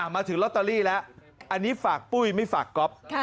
มาถึงลอตเตอรี่แล้วอันนี้ฝากปุ้ยไม่ฝากก๊อฟ